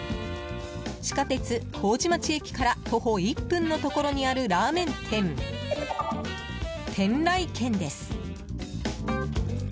地下鉄麹町駅から徒歩１分のところにあるラーメン店、天雷軒です。